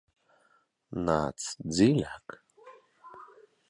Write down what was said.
Nāc dziļāk!